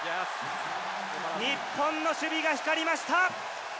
日本の守備が光りました。